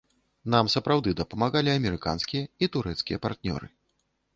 Нам сапраўды дапамагалі амерыканскія і турэцкія партнёры.